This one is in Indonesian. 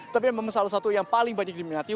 tapi memang salah satu yang paling banyak diminati